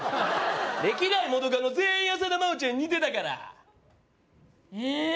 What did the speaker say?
歴代元カノ全員浅田真央ちゃんに似てたからえ？